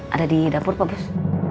ada di dapur pak bus